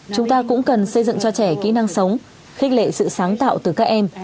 chúng ta cũng cần xây dựng cho trẻ kỹ năng sống khích lệ sự sáng tạo từ các em